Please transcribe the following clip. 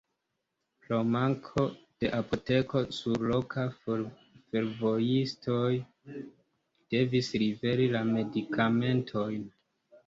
Pro manko de apoteko surloka fervojistoj devis liveri la medikamentojn.